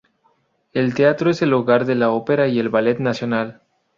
El teatro es el hogar de la Ópera y el Ballet Nacional.